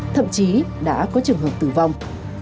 thậm chí đã có trường hợp tử vong